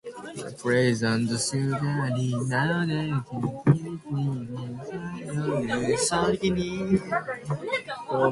Cerebral palsy and stroke patients are commonly seen in gait labs.